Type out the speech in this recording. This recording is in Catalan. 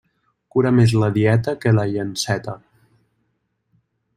Cura més la dieta que la llanceta.